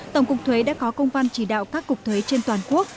tổng cục thuế đã có công văn chỉ đạo các cục thuế trên toàn quốc